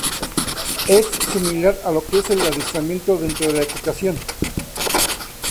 Es similar a lo que es el adiestramiento dentro de la equitación.